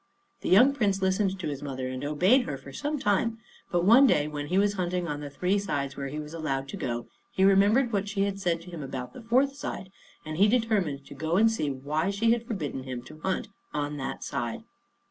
The young Prince listened to his mother, and obeyed her for some time; but one day, when he was hunting on the three sides where he was allowed to go, he remembered what she had said to him about the fourth side, and he determined to go and see why she had forbidden him to hunt on that side.